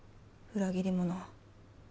裏切り者！